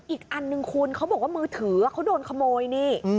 อีกอันหนึ่งคุณเขาบอกว่ามือถือเขาโดนขโมยนี่